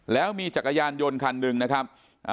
แล้วมีจักรยานยนต์คันหนึ่งนะครับ